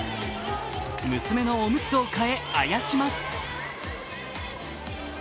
娘のおむつを代え、あやします。